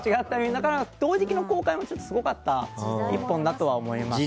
同時期の公開もすごかった１本だと思いますね。